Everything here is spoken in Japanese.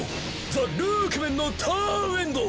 ザ・ルークメンのターンエンド！